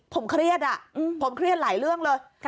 ผมเครียดผมเครียดหลายเรื่องเลย